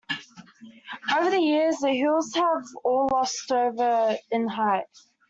Over the years, the Hills have all lost over in height.